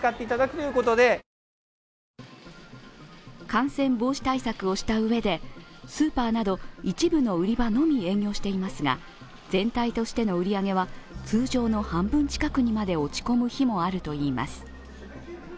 感染防止対策をしたうえで、スーパーなど一部の売り場のみ営業していますが全体としての売り上げは通常の半分近くにまで落ち込む日もあるといいます。